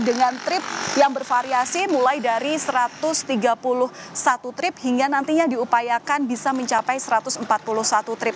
dengan trip yang bervariasi mulai dari satu ratus tiga puluh satu trip hingga nantinya diupayakan bisa mencapai satu ratus empat puluh satu trip